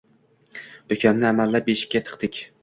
Ukamni amallab beshikka tiqdik.